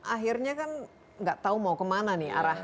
akhirnya kan tidak tahu mau kemana